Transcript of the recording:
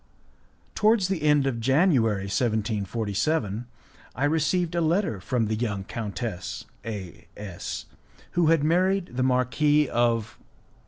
Towards the end of January, 1747, I received a letter from the young countess A S , who had married the Marquis of